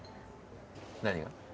何が？